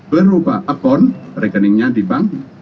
berupa akun rekeningnya di bank